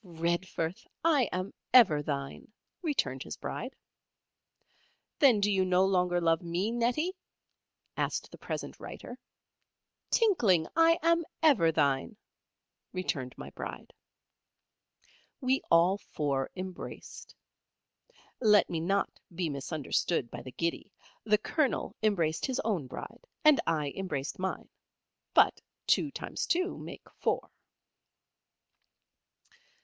"Redforth! I am ever thine," returned his Bride. "Then do you no longer love me, Nettie?" asked the present writer. "Tinkling! I am ever thine," returned my Bride. We all four embraced. Let me not be misunderstood by the giddy. The Colonel embraced his own Bride, and I embraced mine. But two times two make four.